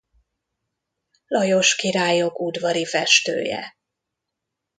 Lajos királyok udvari festője.